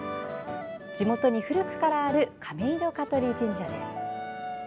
地元に古くからある亀戸香取神社です。